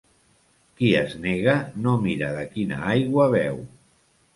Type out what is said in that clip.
Qui es nega no mira de quina aigua beu.